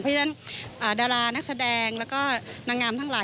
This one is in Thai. เพราะฉะนั้นดารานักแสดงแล้วก็นางงามทั้งหลาย